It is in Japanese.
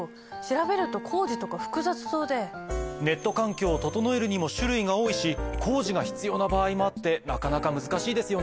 ネット環境を整えるにも種類が多いし工事が必要な場合もあってなかなか難しいですよね。